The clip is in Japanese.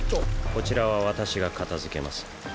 こちらは私が片づけます。